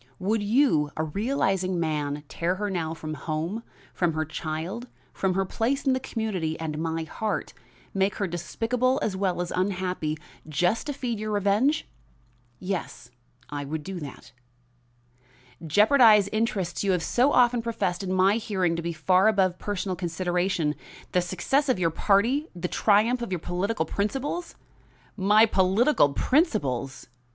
Would you, a realizing man, tear her now from home, from her child, from her place in the community and my heart make her despicable as well as unhappy, just to feed your revenge?" "Yes, I would do that." "Jeopardize interests you have so often professed in my hearing to be far above personal consideration the success of your party, the triumph of your political principles?" "My political principles!"